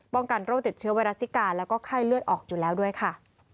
กันโรคติดเชื้อไวรัสซิกาแล้วก็ไข้เลือดออกอยู่แล้วด้วยค่ะ